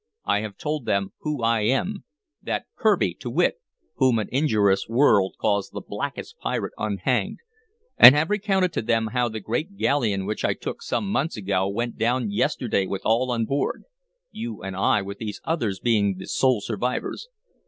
I have told them who I am, that Kirby, to wit, whom an injurious world calls the blackest pirate unhanged, and have recounted to them how the great galleon which I took some months ago went down yesterday with all on board, you and I with these others being the sole survivors.